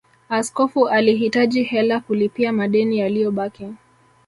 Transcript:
Askofu alihitaji hela kulipia madeni yaliyobaki